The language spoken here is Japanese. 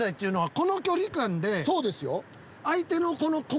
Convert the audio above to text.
そうですよ。